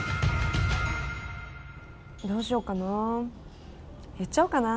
どうしようかなぁ。